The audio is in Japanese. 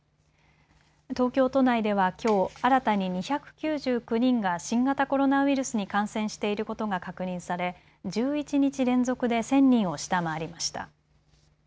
東京都内ではきょう新たに２９９人が新型コロナウイルスに感染していることが確認され１１日連続で１０００人を下回りました。